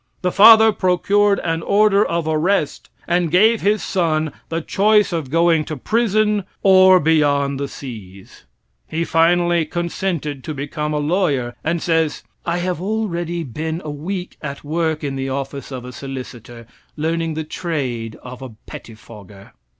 The father procured an order of arrest and gave his son the choice of going to prison or beyond the seas. He finally consented to become a lawyer, and says: "I have already been a week at work in the office of a solicitor learning the trade of a pettifogger."